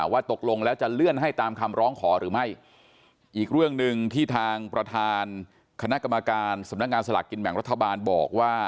ว่าตกลงแล้วจะเลื่อนให้ตามคำร้องขอหรือไม่อีกเรื่องหนึ่งที่ทางประธานคณะกรรมการสำนักงานสลากกินแบ่งรัฐบาลบอกว่า